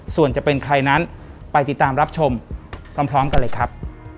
ส่วนจะเป็นใครนั้นไปติดตามรับชมพร้อมกันเลยครับ